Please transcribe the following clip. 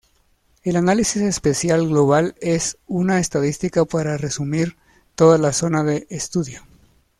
El análisis espacial global es una estadística para resumir toda la zona de estudio.